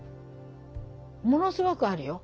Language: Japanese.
ものすごくあるよ。